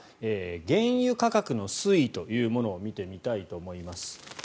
原油価格の推移というものを見てみたいと思います。